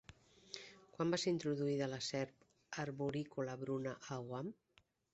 Quan va ser introduïda la serp arborícola bruna a Guam?